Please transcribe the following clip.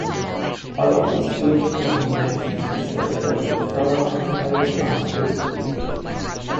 All of these Jewish denominations use their respective Torah commentaries non-exclusively.